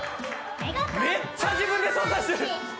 めっちゃ自分で操作してる。